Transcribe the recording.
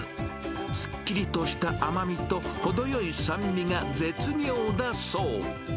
すっきりとした甘みと、程よい酸味が絶妙だそう。